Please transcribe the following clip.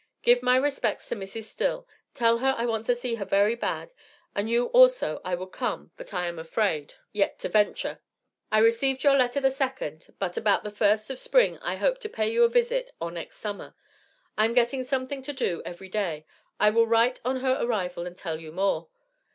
Give my respects to Mrs. Still, tell her i want to see her very bad and you also i would come but i am afraid yet to venture, i received your letter the second, but about the first of spring i hope to pay you a visit or next summer. i am getting something to do every day. i will write on her arrivall and tell you more.